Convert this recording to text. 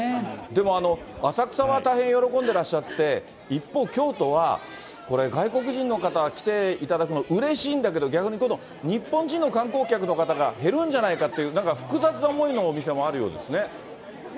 でも浅草は大変喜んでらっしゃって、一方、京都は、これ、外国人の方、来ていただくの、うれしいんだけど、逆に今度、日本人の観光客の方が減るんじゃないかって、複雑な思いのお店もあるようですね。